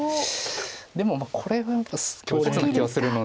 でもこれがやっぱり強烈な気はするので。